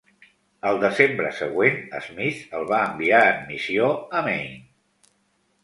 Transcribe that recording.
El desembre següent, Smith el va enviar en missió a Maine.